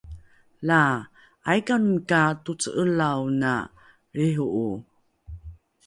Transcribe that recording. Laa, aikanomi ka toce'elaona lriho'o?